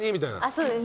そうです